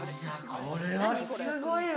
これは、すごいわ！